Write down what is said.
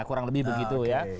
kurang lebih begitu ya